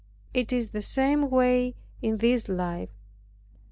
It is the same way in this life.